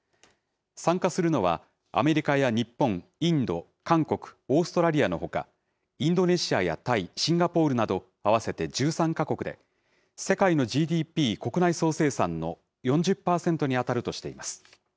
参加するのは、アメリカや日本、インド、韓国、オーストラリアのほか、インドネシアやタイ、シンガポールなど合わせて１３か国で、世界のＧＤＰ・国内総生産の４０％に当たるとしています。